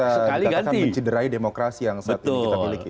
apakah ini kemudian bisa mencederai demokrasi yang saat ini kita miliki